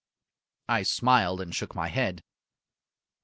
I smiled and shook my head.